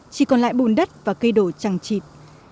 chỉ còn lại bùn đất và cây đổ chẳng chịt